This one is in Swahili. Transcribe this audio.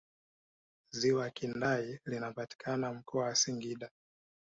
ziwa kindai linapatikana mkoa wa singida